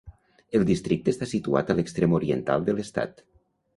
El districte està situat a l'extrem oriental de l'estat.